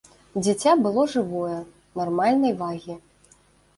Дзіця было жывое, нармальнай вагі.